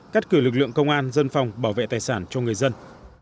cắt cử lực lượng công an dân phòng bảo vệ tài sản cho người dân